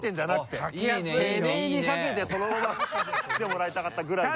てめぇにかけてそのまま来てもらいたかったぐらい。